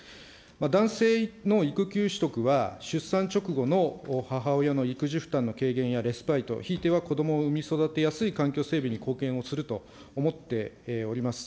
男性の育休取得は、出産直後の母親の育児負担の軽減やレスパイト、ひいてはこどもを産み育てやすい環境整備に貢献をすると思っております。